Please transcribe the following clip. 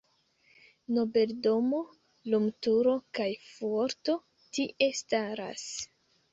Nobeldomo, lumturo kaj fuorto tie staras.